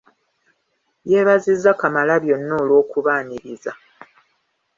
Yeebazizza Kamalabyonna olw'okubaaniriza.